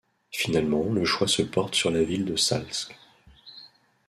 Finalement le choix se porte sur la ville de Salsk.